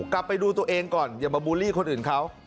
กลับไปดูตัวเองก่อนอย่ามาบูลลี่คนอื่นเขา